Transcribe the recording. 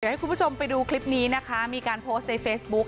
ให้คุณผู้ชมไปดูคลิปนี้นะคะมีการโพสต์ในเฟซบุ๊ค